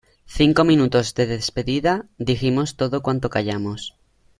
Cinco minutos de despedida, dijimos todo cuanto callamos.